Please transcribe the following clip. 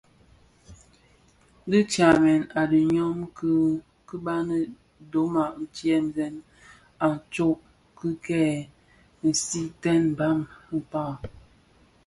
Dhi tsamèn a ilom ki baňi dhona tyèn a tsok ki kè sigsigten mbam akpaň.